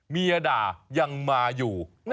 เมียด่ายังมาอยู่